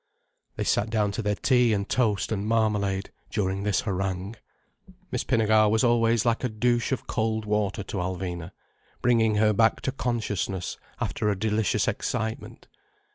They sat down to their tea and toast and marmalade, during this harangue. Miss Pinnegar was always like a douche of cold water to Alvina, bringing her back to consciousness after a delicious excitement.